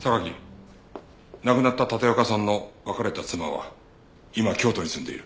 榊亡くなった立岡さんの別れた妻は今京都に住んでいる。